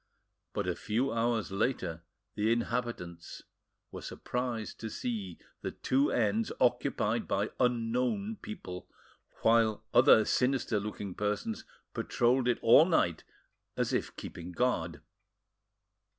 But, a few hours later, the inhabitants were surprised to see the two ends occupied by unknown people, while other sinister looking persons patrolled it all night, as if keeping guard.